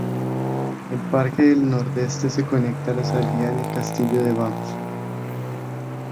El parque del nordeste se conecta a la salida en el Castillo de Banff.